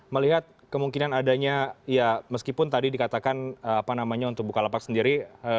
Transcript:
melihat kemungkinan adanya ya meskipun tadi dikatakan apa namanya untuk bukalapak sendiri